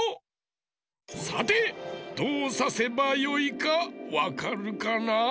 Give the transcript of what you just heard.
さてどうさせばよいかわかるかな？